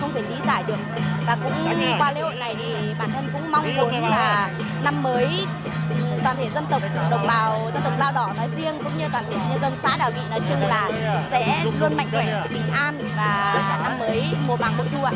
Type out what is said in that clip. cũng như toàn thể dân xã đảo nghị nói chung là sẽ luôn mạnh khỏe bình an và năm mới mùa bằng mùa thu